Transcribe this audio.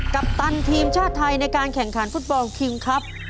ปัปตันทีมชาติไทยในการแข่งขันฟุตบอลคิงครับ